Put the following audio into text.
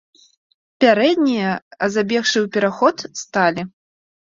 Пярэднія, забегшы ў пераход, сталі.